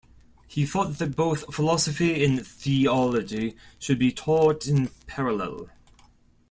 He thought that both Philosophy and Theology should be taught in parallel.